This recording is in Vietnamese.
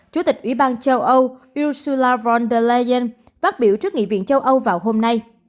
chủ tịch ủy ban châu âu ursula von der leyen phát biểu trước nghị viện châu âu vào hôm nay